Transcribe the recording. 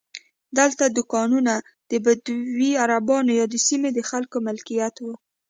دلته دوکانونه د بدوي عربانو یا د سیمې د خلکو ملکیت وو.